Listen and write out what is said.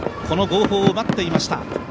この号砲を待っていました。